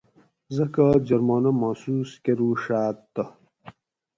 زکواہ جرمانہ محسوس کروڛاۤت تہ